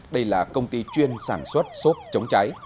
đây là công ty chuyên sản xuất xốp chống cháy